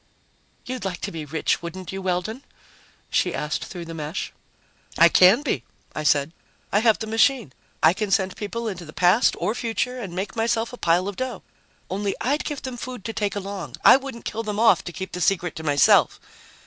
"You'd like to be rich, wouldn't you, Weldon?" she asked through the mesh. "I can be," I said. "I have the machine. I can send people into the past or future and make myself a pile of dough. Only I'd give them food to take along. I wouldn't kill them off to keep the secret to myself.